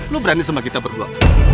lu berani sama kita berdua